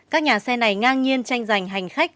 các nhà xe này ngang nhiên tranh giành hành khách